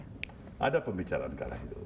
ada pembicaraan karena itu